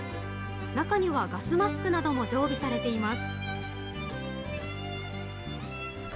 中にはガスマスクなども常備されています。